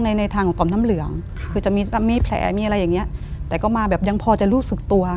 ในในทางของต่อมน้ำเหลืองคือจะมีมีแผลมีอะไรอย่างเงี้ยแต่ก็มาแบบยังพอจะรู้สึกตัว